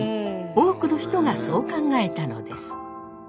多くの人がそう考えたのです。